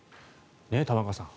玉川さん。